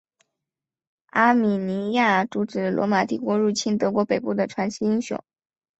阿米尼亚阻止罗马帝国入侵德国北部的传奇英雄。